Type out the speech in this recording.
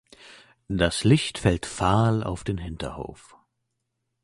Das Licht fällt fahl auf den Hinterhof.